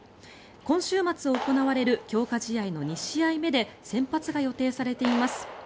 今週末行われる強化合宿の２試合目で先発が予定されています。